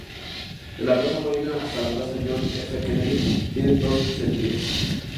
De la plaza Molina hasta la plaza John F. Kennedy tiene dos sentidos.